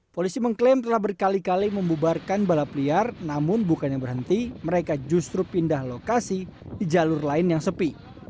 polisi mengklaim telah berkali kali membubarkan balap liar namun bukannya berhenti mereka justru pindah lokasi di jalur lain yang sepi